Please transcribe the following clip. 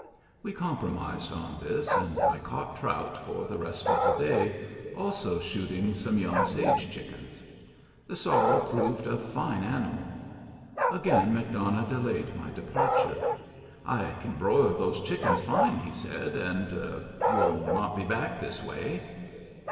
We compromised on this, and caught trout for the rest of the day, also shooting some young sage chickens. The sorrel proved a fine animal. Again McDonough delayed my departure. "I can broil those chickens fine," he said, " and — and you'll not be back this way."